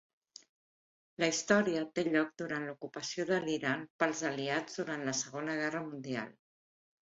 La història té lloc durant l'ocupació de l'Iran pels aliats durant la Segona Guerra Mundial.